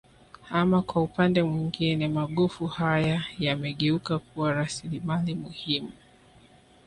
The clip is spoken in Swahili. Ama kwa upande mwingine magofu haya yamegeuka kuwa rasilimali muhimu